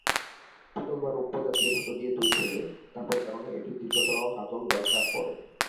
পিতল বা রৌপ্য জাতীয় ধাতু দিয়ে তৈরি হলে, তাপের কারণে এটির দীর্ঘতর হাতল দরকার পড়ে।